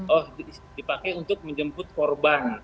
oh dipakai untuk menjemput korban